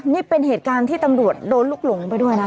นี่เป็นเหตุการณ์ที่ตำรวจโดนลุกหลงไปด้วยนะ